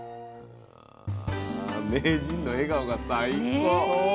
名人の笑顔が最高。